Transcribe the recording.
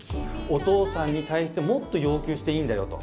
お父さんに対してもっと要求していいんだよと。